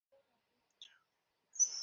দুটোর মাঝে কী সম্পর্ক?